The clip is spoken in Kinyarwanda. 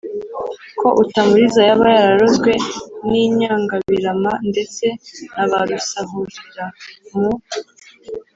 ko Utamuriza yaba yararozwe n’inyangabirama ndetse na ba rusahurira mu